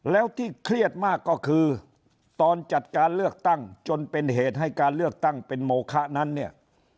แล้วที่เครียดมากก็คือตอนจัดการเลือกตั้งจนเป็นเหตุให้การเลือกตั้งเป็นโมคะนั้นเนี่ย